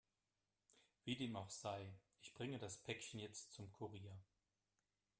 Wie dem auch sei, ich bringe das Päckchen jetzt zum Kurier.